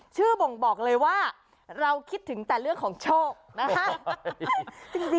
บ่งบอกเลยว่าเราคิดถึงแต่เรื่องของโชคนะฮะ